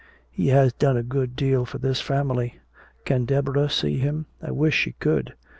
"He has done a good deal for this family! Can Deborah see him?" "I wish she could."